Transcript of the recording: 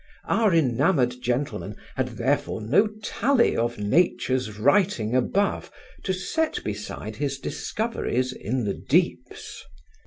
Our enamoured gentleman had therefore no tally of Nature's writing above to set beside his discoveries in the deeps.